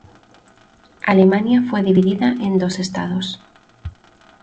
Alemania fue dividida en dos estados.